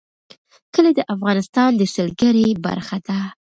کلي د افغانستان د سیلګرۍ برخه ده.